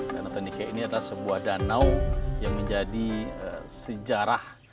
danau tandike ini adalah sebuah danau yang menjadi sejarah